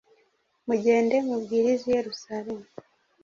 Mugende mubwirize i Yerusalemu